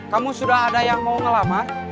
kamu sudah ada yang mau ngelamar